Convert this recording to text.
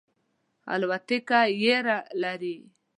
الوتکه یره لرئ؟